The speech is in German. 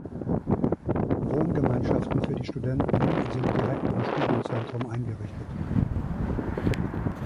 Wohngemeinschaften für die Studenten sind direkt im Studienzentrum eingerichtet.